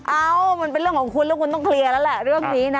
เอ้ามันเป็นเรื่องของคุณแล้วคุณต้องเคลียร์แล้วแหละเรื่องนี้นะ